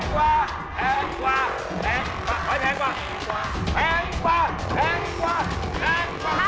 แพงกว่า